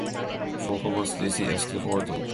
For her birthday, she asked for a dog.